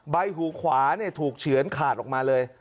ใบหูขวาถูกเฉือนขาดออกมาเลย